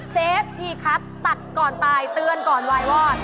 เฟฟทีครับตัดก่อนตายเตือนก่อนวายวอด